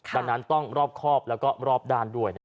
ดังนั้นต้องรอบครอบแล้วก็รอบด้านด้วย